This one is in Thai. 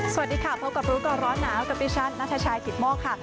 สวัสดีค่ะพบกับรู้ก่อนร้อนหนาวกับดิฉันนัทชายกิตโมกค่ะ